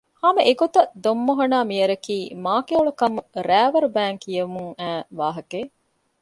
ހަމަ އެގޮތަށް ދޮންމޮހޮނާއި މިޔަރަކީ މާކެޔޮޅުކަމު ރައިވަރު ބައިން ކިޔެމުން އައީ ވާހަކައެއް